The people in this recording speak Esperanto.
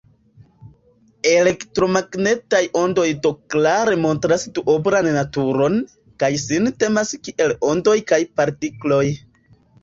Elektromagnetaj ondoj do klare montras duoblan naturon, kaj sin tenas kiel ondoj kaj partikloj.